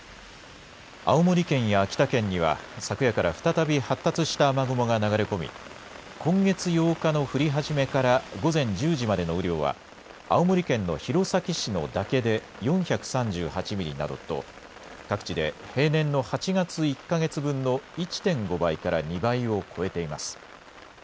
青森県や秋田県には昨夜から再び発達した雨雲が流れ込み今月８日の降り始めから午前１０時までの雨量は青森県の弘前市の岳で４３８ミリなどと各地で平年の８月１か月分の１．５倍から２倍を超えています。